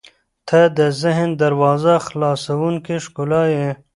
• ته د ذهن دروازه خلاصوونکې ښکلا یې.